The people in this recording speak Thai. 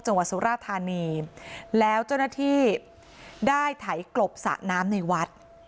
สุราธานีแล้วเจ้าหน้าที่ได้ไถกลบสระน้ำในวัด